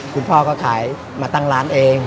พ่อก็ขายมาตั้งร้านเอง